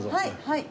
はい。